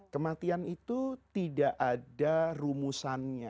kematian itu tidak ada rumusannya